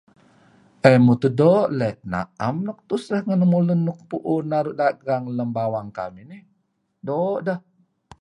eh mutuh doo' leh, na'em nuk tuseh ngen lun nuk pu'un naru' dagang lem bawang kamih nih. Doo' deh.